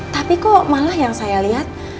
tapi kok malah yang saya lihat